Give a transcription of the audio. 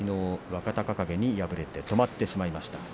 若隆景によって止まってしまいました。